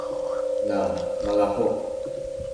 na malahuk